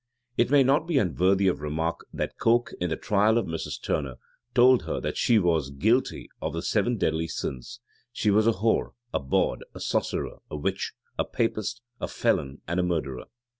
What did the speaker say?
It may not be unworthy of remark, that Coke, in the trial of Mrs. Turner, told her that she was guilty of the seven deadly sins: she was a whore, a bawd, a sorcerer, a witch, a Papist, a felon, and a murderer.